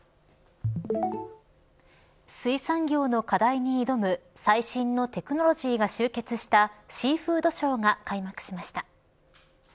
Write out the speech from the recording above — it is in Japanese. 水産業の課題に挑む最新のテクノロジーが集結したシーフードショーが開幕しました。